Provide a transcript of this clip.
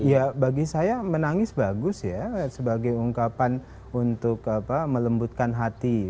ya bagi saya menangis bagus ya sebagai ungkapan untuk melembutkan hati